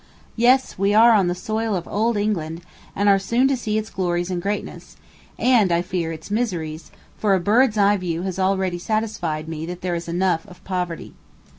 Yes, we are on the soil of Old England, and are soon to see its glories and greatness, and, I fear, its miseries, for a bird's eye view has already satisfied me that there is enough of poverty.